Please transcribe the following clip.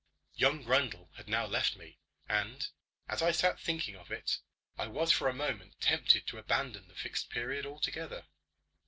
Young Grundle had now left me, and as I sat thinking of it I was for a moment tempted to abandon the Fixed Period altogether.